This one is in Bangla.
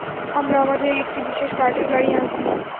আমরা আমাদের একটি বিশেষ কার্টেল গাড়ি আনছি।